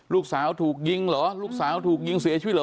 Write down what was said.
ลูกสาวถูกยิงเหรอลูกสาวถูกยิงเสียชีวิตเหรอ